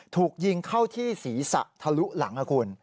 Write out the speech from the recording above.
ถูกยิงเข้าที่ศีรษะทะลุหลังนะคุณ